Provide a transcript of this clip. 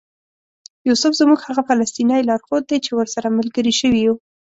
یوسف زموږ هغه فلسطینی لارښود دی چې ورسره ملګري شوي یو.